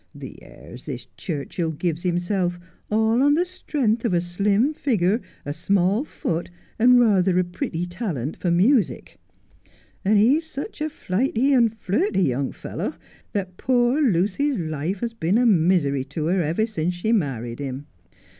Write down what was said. The airs this Churchill gives himself, all on the strength of a slim figure, a small foot, and rather a pretty talent for music ! And he's such a flighty and flirty young fellow, that poor Lucy's life has been a misery to her ever since she married him.